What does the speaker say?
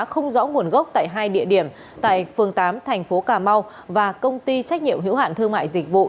không rõ nguồn gốc tại hai địa điểm tại phường tám tp cà mau và công ty trách nhiệm hữu hạn thương mại dịch vụ